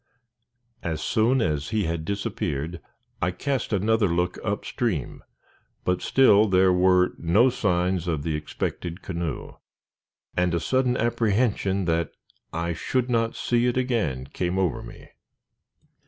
As soon as he had disappeared, I cast another look up stream, but still there were no signs of the expected canoe, and a sudden apprehension that I should not see it again came over me.